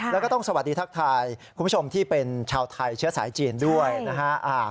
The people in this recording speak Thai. แล้วก็ต้องสวัสดีทักทายคุณผู้ชมที่เป็นชาวไทยเชื้อสายจีนด้วยนะฮะ